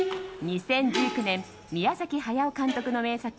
２０１９年、宮崎駿監督の名作